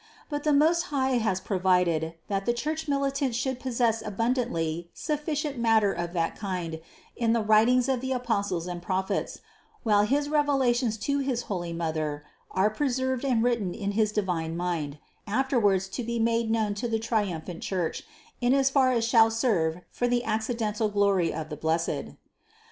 But the Most High has provided, that the Church militant should pos sess abundantly sufficient matter of that kind in the writ ings of the Apostles and Prophets ; while his revelations to his most holy Mother, are preserved and written in his divine mind, afterwards to be made known to the triumphant Church in as far as shall serve for the acci dental glory of the blessed.